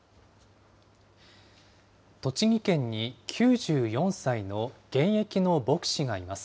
栃木県に９４歳の現役の牧師がいます。